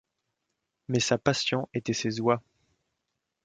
Mais sa passion était ses oies.